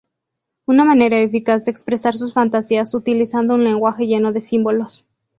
Una manera eficaz de expresar sus fantasías, utilizando un lenguaje lleno de símbolos.